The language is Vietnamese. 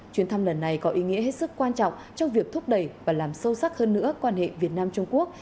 chuyến thăm lần này có ý nghĩa hết sức quan trọng trong việc thúc đẩy và làm sâu sắc hơn nữa quan hệ việt nam trung quốc